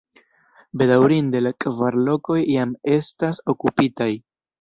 Bedaŭrinde la kvar lokoj jam estas okupitaj.